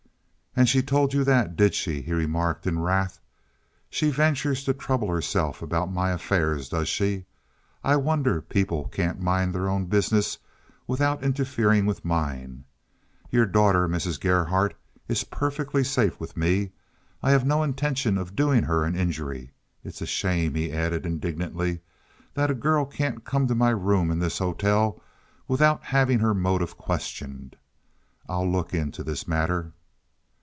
"And she told you that, did she?" he remarked in wrath. "She ventures to trouble herself about my affairs, does she? I wonder people can't mind their own business without interfering with mine. Your daughter, Mrs. Gerhardt, is perfectly safe with me. I have no intention of doing her an injury. It's a shame," he added indignantly, "that a girl can't come to my room in this hotel without having her motive questioned. I'll look into this matter."